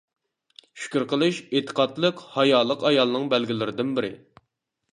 شۈكۈر قىلىش ئېتىقادلىق، ھايالىق ئايالنىڭ بەلگىلىرىدىن بىرى.